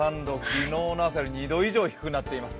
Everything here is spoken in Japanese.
昨日の朝より２度以上、低くなっています。